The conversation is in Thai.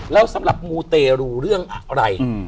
แล้วสำหรับมูเตรูเรื่องอะไร